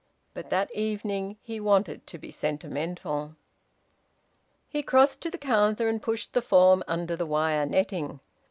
But that evening he wanted to be sentimental. He crossed to the counter, and pushed the form under the wire netting.